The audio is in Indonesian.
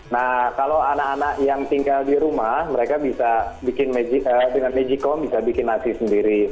nah kalau anak anak yang tinggal di rumah mereka bisa bikin dengan magikom bisa bikin nasi sendiri